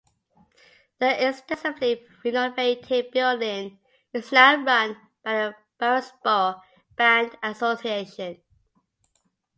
The extensively renovated building is now run by the Parrsboro Band Association.